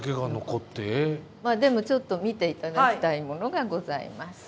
まあでもちょっと見ていただきたいものがございます。